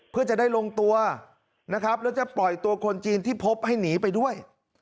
เพื่อจะได้ลงตัวนะครับแล้วจะปล่อยตัวคนจีนที่พบให้หนีไปด้วย